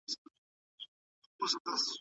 کله چې مېوه پخه شي نو رنګ یې بدلیږي.